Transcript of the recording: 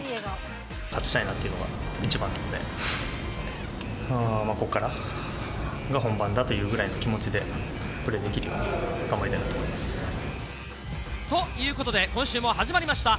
勝ちたいなというのが一番なので、ここからが本番だというぐらいの気持ちでプレーできるように頑張ということで、今週も始まりました。